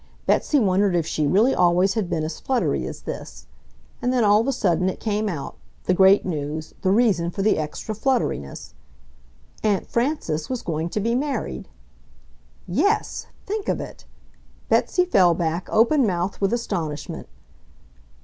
Betsy wondered if she really always had been as fluttery as this. And then, all of a sudden it came out, the great news, the reason for the extra flutteriness. Aunt Frances was going to be married! Yes! Think of it! Betsy fell back open mouthed with astonishment.